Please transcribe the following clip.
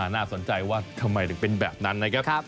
น่าสนใจว่าทำไมถึงเป็นแบบนั้นนะครับ